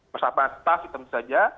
bersama staff itu saja